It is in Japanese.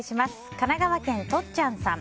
神奈川県の方。